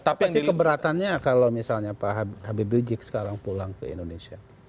tapi sih keberatannya kalau misalnya pak habib rizik sekarang pulang ke indonesia